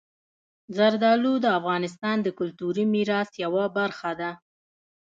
زردالو د افغانستان د کلتوري میراث یوه برخه ده.